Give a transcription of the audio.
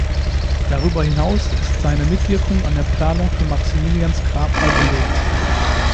Darüber hinaus ist seine Mitwirkung an der Planung für Maximilians Grabmal belegt.